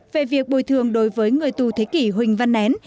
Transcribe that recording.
về việc bồi thường đối với người tù thế kỷ huỳnh văn nén